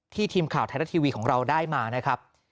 ทีมข่าวไทยรัฐทีวีของเราได้มานะครับ